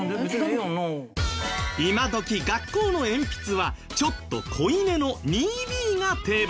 今どき学校の鉛筆はちょっと濃いめの２Ｂが定番。